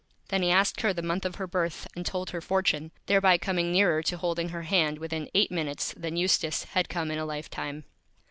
Then he asked her the Month of her Birth and told her Fortune, thereby coming nearer to Holding her Hand within Eight Minutes than Eustace had come in a Lifetime.